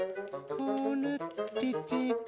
こうなってて。